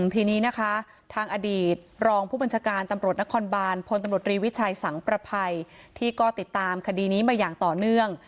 ทีนี้ทางอดีตรองพปนนบาลพลนดอสังประภัยที่ก็ติดตามคดีนี้มาอย่างต่อเนื่อง